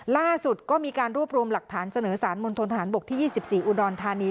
ล่าสุดก็มีการรวบรวมหลักฐานเสนอสารมณฑนฐานบกที่๒๔อุดรธานี